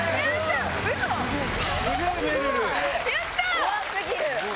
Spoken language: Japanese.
怖過ぎる。